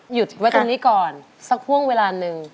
หยุดไว้ตรงนี้ก่อนสักห่วงเวลาหนึ่ง